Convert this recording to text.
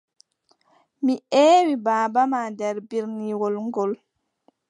Mi eewi baaba ma nder berniwol ngool.